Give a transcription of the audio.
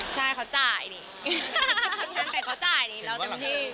ใช่เขาจ่ายนี่แต่เขาจ่ายนี่เราเต็มที่